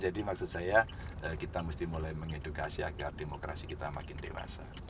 jadi maksud saya kita mesti mulai mengedukasi agar demokrasi kita makin dewasa